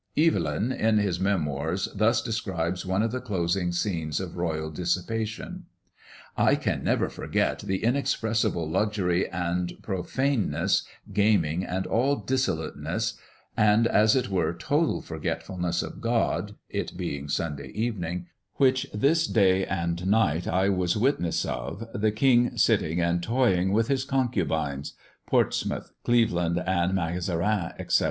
Evelyn, in his memoirs, thus describes one of the closing scenes of royal dissipation: "I can never forget the inexpressible luxury and prophanenesse, gaming and all dissoluteness, and, as it were, total forgetfullnesse of God (it being Sunday evening), which this day se'nnight I was witnesse of, the king sitting and toying with his concubines Portsmouth, Cleveland, and Mazarine, etc.